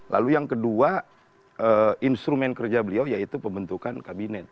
lalu yang kedua instrumen kerja beliau yaitu pembentukan kabinet